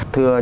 thưa quý vị